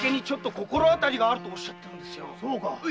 そうか。